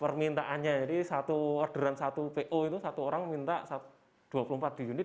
permintaannya jadi satu orderan satu po itu satu orang minta dua puluh empat unit